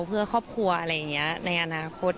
เพื่อครอบครัวอะไรอย่างนี้ในอนาคต